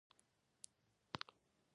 که لټه ونه شي، ژوند بېروح کېږي.